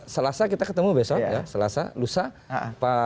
selasa kita ketemu besok ya selasa lusa